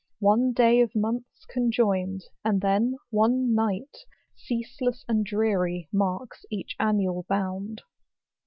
One day of months conjoined, and then one night, Ceaseless and dreary, marks each annual bound.